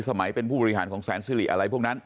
สมัยเป็นผู้บริหารของแสนสิริอะไรพวกนั้น